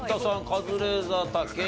カズレーザー武井さん。